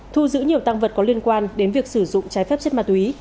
thu giữ nhiều tăng vật có liên quan đến việc sử dụng trái phép chất ma túy